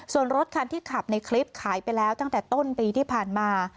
ส่วนรถคันที่ขับในคลิปขายไปแล้วตั้งแต่ต้นปีที่ผ่านมา